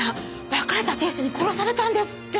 別れた亭主に殺されたんですって？